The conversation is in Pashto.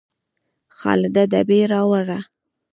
خالده ډبې راوړه